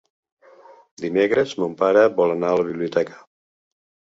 Dimecres mon pare vol anar a la biblioteca.